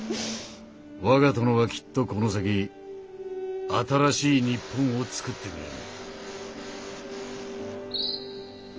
「我が殿はきっとこの先新しい日本を作ってくれる」。